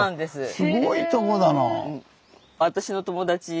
すごいとこだなあ。